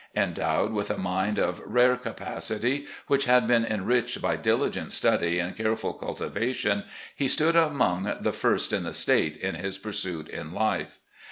"Endowed with a mind of rare capacity, which had been enriched by diligent study and cardul cultivation, THE NEW HOME IN LEXINGTON 375 he stood among the first in the State in his pursuit in life.